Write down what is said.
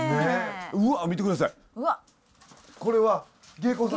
うわっ見て下さい！